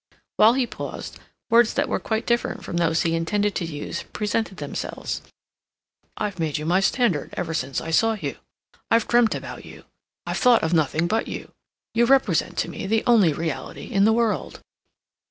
While he paused, words that were quite different from those he intended to use presented themselves. "I've made you my standard ever since I saw you. I've dreamt about you; I've thought of nothing but you; you represent to me the only reality in the world."